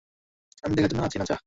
আমি দেখার জন্য আছি না, যা।